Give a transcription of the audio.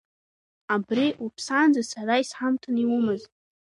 Абригьы уԥсаанӡа сара исҳамҭаны иумаз.